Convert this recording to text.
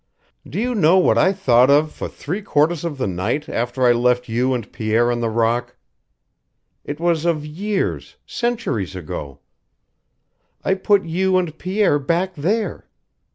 Do you know what I thought of for three quarters of the night after I left you and Pierre on the rock? It was of years centuries ago. I put you and Pierre back there.